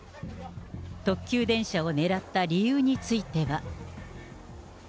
特急電車を狙った理由については。